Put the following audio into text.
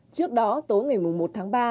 trước đó tối ngày một tháng ba